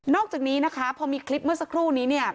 อกจากนี้นะคะพอมีคลิปเมื่อสักครู่นี้เนี่ย